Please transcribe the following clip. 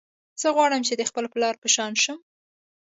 زه غواړم چې د خپل پلار په شان شم